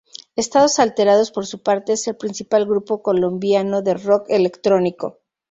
Estados Alterados, por su parte, es el principal grupo colombiano de rock electrónico.